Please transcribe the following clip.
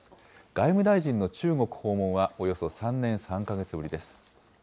外務大臣の中国訪問は、およそ３年３か月ぶりです。